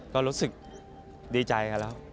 ก็รู้สึกดีใจกันแล้ว